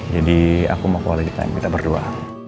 jadi aku mau ke luar lagi kita berdua